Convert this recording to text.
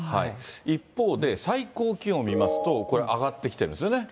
一方で、最高気温を見ますと、これ、上がってきてるんですよね。